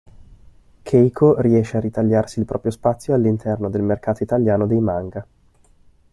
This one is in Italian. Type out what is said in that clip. Keiko riesce a ritagliarsi il proprio spazio all'interno del mercato italiano dei manga.